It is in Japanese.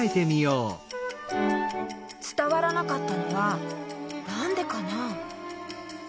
つたわらなかったのはなんでかな？